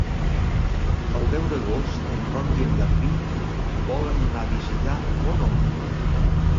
El deu d'agost en Roc i en Garbí volen anar a visitar mon oncle.